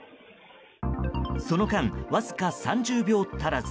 その間、わずか３０秒足らず。